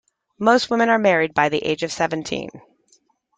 Most women are married by the age of seventeen.